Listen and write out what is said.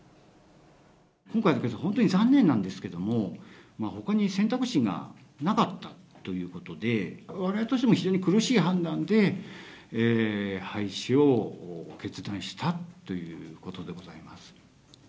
今回のケースは本当に残念なんですけれども、ほかに選択肢がなかったということで、われわれとしても非常に苦しい判断で、廃止を決断したということでございます。